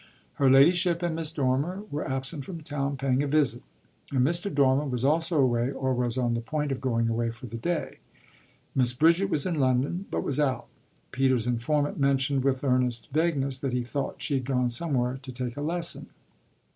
Her ladyship and Miss Dormer were absent from town, paying a visit; and Mr. Dormer was also away, or was on the point of going away for the day. Miss Bridget was in London, but was out; Peter's informant mentioned with earnest vagueness that he thought she had gone somewhere to take a lesson.